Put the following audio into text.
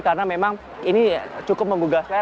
karena memang ini cukup menggugah saya